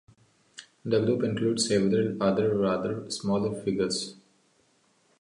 The group includes several other rather smaller figures.